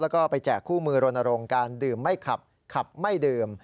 แล้วก็ไปแจกคู่มือรณรงค์การดื่มไม่ขับขับไม่ดื่ม